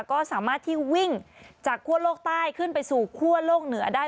ก็สามารถที่วิ่งจากคั่วโลกใต้ขึ้นไปสู่คั่วโลกเหนือได้